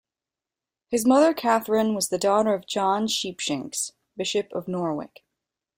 His mother Katherine was the daughter of John Sheepshanks, Bishop of Norwich.